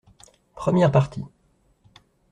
Première Partie